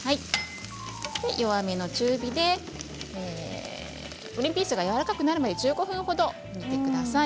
弱めの中火でグリンピースがやわらかくなるまで１５分程、煮てください。